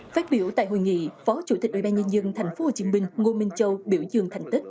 phát biểu tại hội nghị phó chủ tịch ủy ban nhân dân tp hcm ngô minh châu biểu dường thành tích